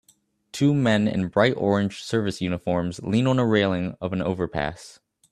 Two men in bright orange service uniforms lean on a railing of an overpass